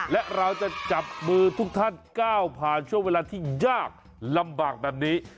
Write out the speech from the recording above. และเราจะจับมือทุกท่านก้าวผ่านช่วงเวลาที่ยากลำบากแบบนี้